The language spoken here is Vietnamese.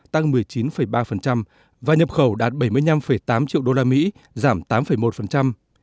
tăng một mươi chín ba và nhập khẩu đạt bảy mươi năm tám triệu đô la mỹ giảm tám một